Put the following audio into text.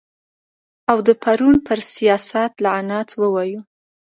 او د پرون پر سیاست لعنت ووایو.